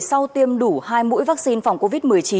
sau tiêm đủ hai mũi vaccine phòng covid một mươi chín